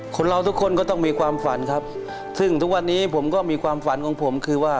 คนเราทุกคนก็ต้องมีความฝันครับซึ่งทุกวันนี้ผมก็มีความฝันของผมคือว่า